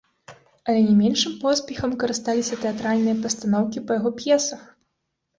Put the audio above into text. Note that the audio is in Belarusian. Але не меншым поспехам карысталіся тэатральныя пастаноўкі па яго п'есах.